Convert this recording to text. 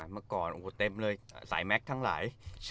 เมื่อก่อนโอ้โหเต็มเลยสายแม็กซ์ทั้งหลาย